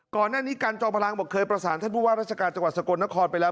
ก่อนหน้านี้การจอมพลังบอกเคยประสานท่านผู้ว่าราชการจังหวัดสกลนครไปแล้ว